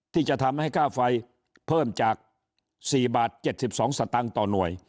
ที่จะทำให้ค่าไฟเพิ่มจาก๔บาท๗๒สตางค์ต่อหน่วย